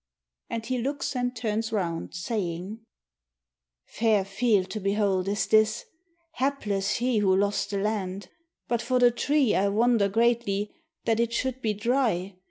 [And he looks and turns round, saying: Fair field to behold is this; Hapless he who lost the land. But for the tree I wonder greatly That it should be dry.